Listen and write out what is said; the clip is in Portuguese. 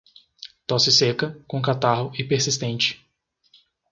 Tosse seca, com catarro, e persistente